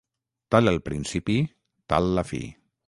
Tal el principi, tal la fi.